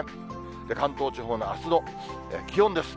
関東地方のあすの気温です。